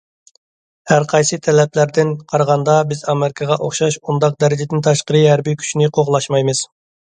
ھەرقايسى تەرەپلەردىن قارىغاندا، بىز ئامېرىكىغا ئوخشاش ئۇنداق دەرىجىدىن تاشقىرى ھەربىي كۈچنى قوغلاشمايمىز.